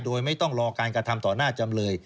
โดยไม่ต้องรอการกระทำต่อหน้าจำเลย